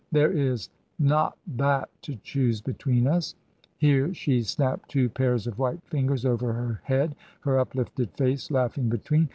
There is not* that to choose between us!" Here she snapped two pairs of white fingers over her head, her uplifted face laughing between.